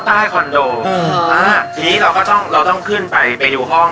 ทีนี้เราก็ต้องขึ้นไปไปดูห้อง